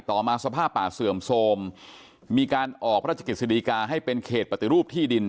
ต่อมาสภาพป่าเสื่อมโทรมมีการออกพระราชกิจสดีกาให้เป็นเขตปฏิรูปที่ดิน